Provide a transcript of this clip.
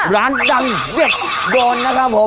ร้านดังเด็ดโดนนะครับผม